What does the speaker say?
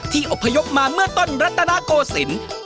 ที่อพยพมาเมื่อต้นรัตนโกสิน